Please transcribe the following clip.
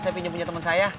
saya pinjam punya teman saya